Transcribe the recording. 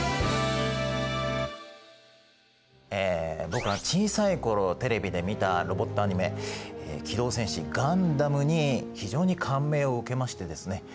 僕は小さい頃テレビで見たロボットアニメ「機動戦士ガンダム」に非常に感銘を受けましてですね